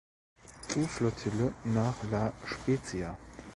U-Flottille nach La Spezia.